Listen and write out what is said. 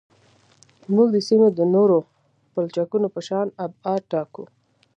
موږ د سیمې د نورو پلچکونو په شان ابعاد ټاکو